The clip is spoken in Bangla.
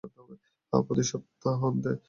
হ্যাঁ, প্রতি সপ্তাহান্তে।